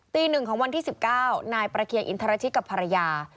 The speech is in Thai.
ตีหนึ่งของวันที่สิบเก้านายประเคยงอินทรชิกกับภรรยา